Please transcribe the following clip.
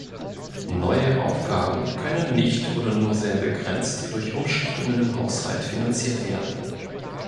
Neue Aufgaben können nicht oder nur sehr begrenzt durch Umschichtungen im Haushalt finanziert werden.